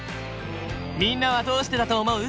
みんなはどうしてだと思う？